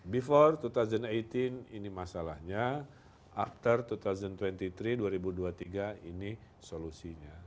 before dua ribu delapan belas ini masalahnya after dua ribu dua puluh tiga ini solusinya